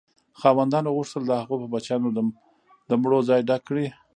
خاوندانو غوښتل د هغو په بچیانو د مړو ځای ډک کړي.